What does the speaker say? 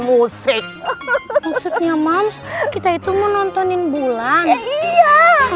musik maksudnya mams kita itu menontonin bulan iya